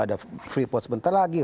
ada free pot sebentar lagi